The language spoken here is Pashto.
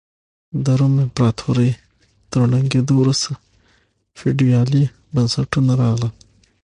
د روم امپراتورۍ تر ړنګېدو وروسته فیوډالي بنسټونه راغلل.